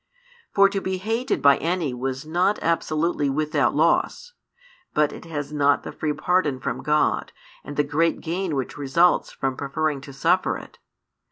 For to be hated by any was not absolutely without loss. But it has not the free pardon from God, and the great gain which results from preferring to suffer it.